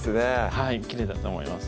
はいきれいだと思います